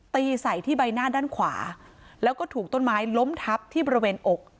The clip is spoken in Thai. ตีใส่ที่ใบหน้าด้านขวาแล้วก็ถูกต้นไม้ล้มทับที่บริเวณอก